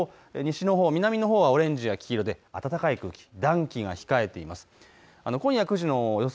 一方、西のほう南のほうはオレンジや黄色で暖かい空気、暖気が控えています。